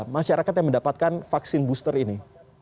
masyarakat yang mendapatkan vaksin booster ini